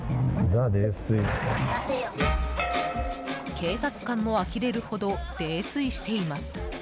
警察官もあきれるほど泥酔しています。